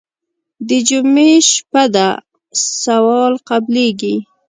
د جمعې شپه ده سوال قبلېږي.